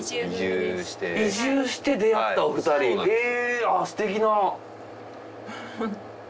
移住して出会ったお二人へすてきな。